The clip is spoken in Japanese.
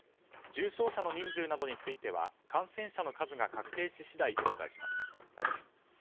重症者の人数などについては感染者の数が確定し次第お伝えします。